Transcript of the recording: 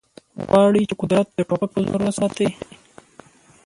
غواړي چې قدرت د ټوپک په زور وساتي